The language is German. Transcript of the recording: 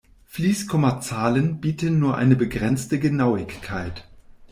Fließkommazahlen bieten nur eine begrenzte Genauigkeit.